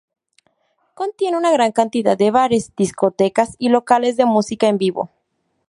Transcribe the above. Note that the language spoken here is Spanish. Contiene una gran cantidad de bares, discotecas y locales de música en vivo.